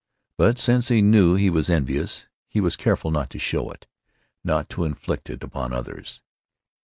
But, since he knew he was envious, he was careful not to show it, not to inflict it upon others.